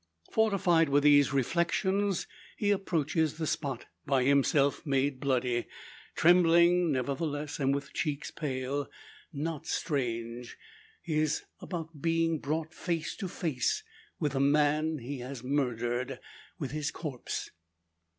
Fortified with these reflections, he approaches the spot, by himself made bloody. Trembling, nevertheless, and with cheeks pale. Not strange. He is about being brought face to face with the man he has murdered with his corpse!